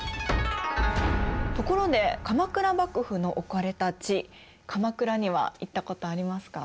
ところで鎌倉幕府の置かれた地鎌倉には行ったことありますか？